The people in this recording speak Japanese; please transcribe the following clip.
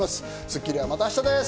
『スッキリ』はまた明日です。